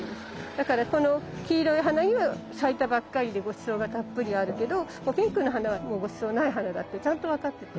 だからこの黄色い花には咲いたばかりでごちそうがたっぷりあるけどもうピンクの花はもうごちそうない花だってちゃんと分かってて。